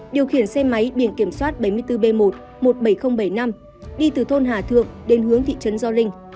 điều khiển xe máy biển kiểm soát bảy mươi bốn b một một mươi bảy nghìn bảy mươi năm đi từ thôn hà thượng đến hướng thị trấn gio linh